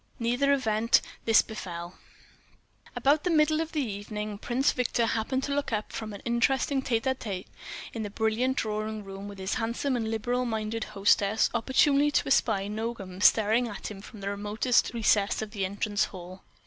In either event, this befell: About the middle of the evening Prince Victor happened to look up from an interesting tête à tête in the brilliant drawing room with his handsome and liberal minded hostess opportunely to espy Nogam staring at him from the remote recesses of the entrance hall.